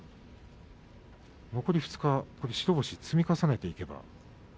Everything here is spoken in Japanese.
残り２日、白星を積み重ねていけば。